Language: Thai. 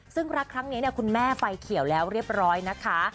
ซึ่งรักครั้งนี้คุณแม่ไฟเขียวแล้วเรียบร้อยนะคะ